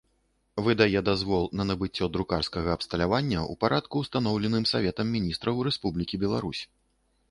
Выдае дазвол на набыццё друкарскага абсталявання ў парадку, устаноўленым Саветам Мiнiстраў Рэспублiкi Беларусь.